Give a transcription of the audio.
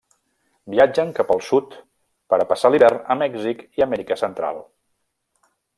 Viatgen cap al sud per a passar l'hivern a Mèxic i Amèrica Central.